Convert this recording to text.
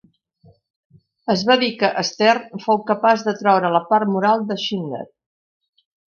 Es va dir que Stern fou capaç de traure la part moral de Schindler.